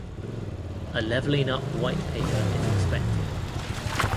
A Levelling Up white paper is expected.